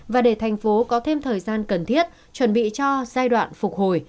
và để thành phố có thêm thời gian cần thiết chuẩn bị cho giai đoạn phục hồi